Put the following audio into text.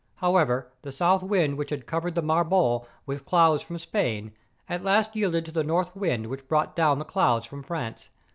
However, the south wind which had covered the Marbore with clouds from Spain, at last yielded to the north wind which brought down the clouds from France.